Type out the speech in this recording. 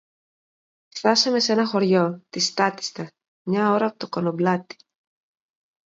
Φθάσαμε σ' ένα χωριό, τη Στάτιστα, μια ώρα από το Κονομπλάτι